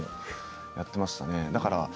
やっていましたね。